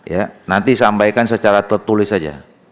ya nanti sampaikan secara tertulis saja